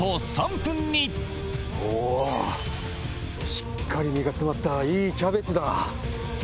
しっかり実が詰まったいいキャベツだ。